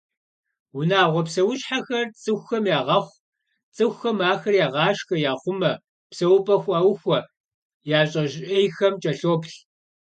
Унагъуэ псэущхьэхэр цӏыхухэм ягъэхъу, цӏыхухэм ахэр ягъашхэ, яхъумэ, псэупӏэ хуаухуэ, я щӏэжьейхэм кӏэлъоплъ.